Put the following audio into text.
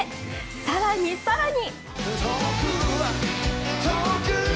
更に更に。